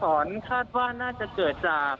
แต่เราก็ได้ยินเสียงปั้งตลอดเวลาเลยคุณอภิวัติมันคืออะไรบ้าง